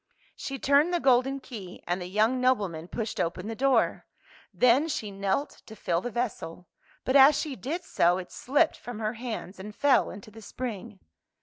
She turned the golden key, and the young nobleman pushed open the door. Then she knelt to fill the vessel, but as she did so it slipped from her hands and fell into the spring.